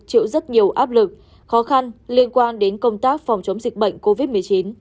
chịu rất nhiều áp lực khó khăn liên quan đến công tác phòng chống dịch bệnh covid một mươi chín